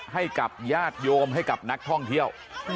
ให้กับญาติโยมให้กับนักท่องเที่ยว